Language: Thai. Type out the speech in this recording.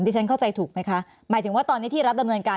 ดิฉันเข้าใจถูกมั้ยคะ